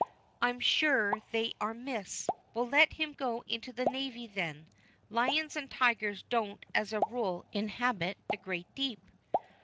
I'm sure they are myths. Well, let him go into the navy, then. Lions and tigers don't as a rule inhabit the great deep."